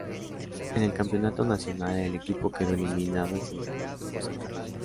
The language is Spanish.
En el campeonato nacional, el equipo quedó eliminado en semifinales por San Carlos.